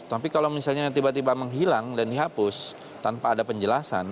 tapi kalau misalnya tiba tiba menghilang dan dihapus tanpa ada penjelasan